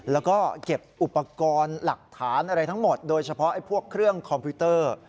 แล้วก็เก็บอุปกรณ์หลักฐานอะไรทั้งหมดโดยเฉพาะพวกเครื่องคอมพิวเตอร์